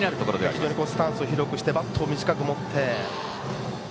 非常にスタンスを広くしてバットを短く持って。